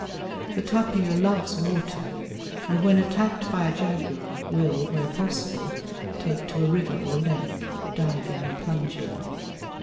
The tapir loves water, and when attacked by a jaguar will, where possible, take to a river or lake, diving and plunging.